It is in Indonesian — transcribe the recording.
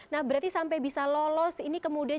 nah berarti sampai bisa lolos ini kemudian